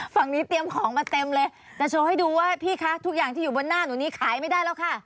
ฝั่งนี้เตรียมของมาเต็มเลยจะโชว์ให้ดูว่าพี่คะทุกอย่างที่อยู่บนหน้าหนูนี้ขายไม่ได้แล้วค่ะ